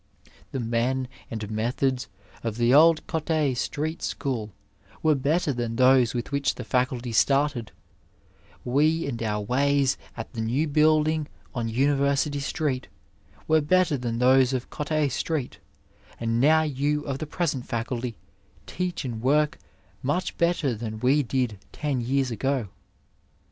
The men and methods of the old Cot6 street school were better than those with which the faculty started ; we and our ways at the new building on University street were better than those of Cot6 street ; and now you of the present faculty teach and work much better than we did ten years ago.